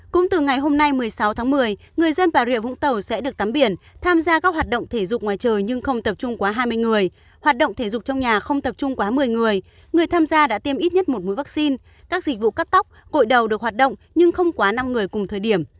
cũng từ ngày hôm nay một mươi sáu tháng một mươi người dân bà rịa vũng tàu sẽ được tắm biển tham gia các hoạt động thể dục ngoài trời nhưng không tập trung quá hai mươi người hoạt động thể dục trong nhà không tập trung quá một mươi người người tham gia đã tiêm ít nhất một mũi vaccine các dịch vụ cắt tóc gội đầu được hoạt động nhưng không quá năm người cùng thời điểm